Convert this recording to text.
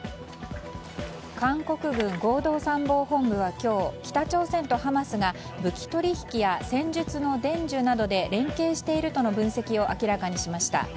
韓国軍合同参謀本部は今日北朝鮮とハマスが武器取引や戦術の伝授などで連携しているとの分析を明らかにしました。